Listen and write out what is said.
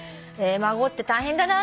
「孫って大変だな。